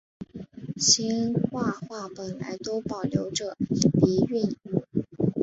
兴化话本来都保留着的鼻韵母。